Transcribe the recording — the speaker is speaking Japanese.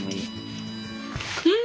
うん。